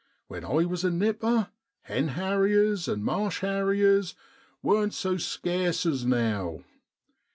When I was a nipper, hen harriers and marsh harriers wasn't so scarce as now.